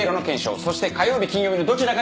そして火曜日金曜日のどちらかに実行する。